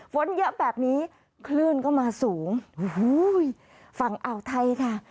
ฝนเยอะแบบนี้คลื่นก็มาสูงฝั่งเอาไทยค่ะ